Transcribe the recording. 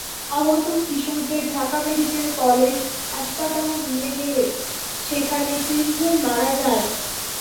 আহত কিশোরদের Dhaka medical college হাসপাতালে নিয়ে গেলে সেখানে তিনজন মারা যায়।